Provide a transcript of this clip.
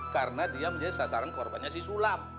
karena dia menjadi sasaran korbannya si sulam